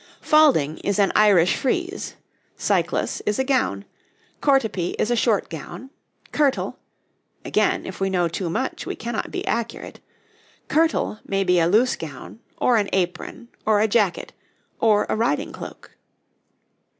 Falding is an Irish frieze; cyclas is a gown; courtepy is a short gown; kirtle again, if we know too much we cannot be accurate kirtle may be a loose gown, or an apron, or a jacket, or a riding cloak.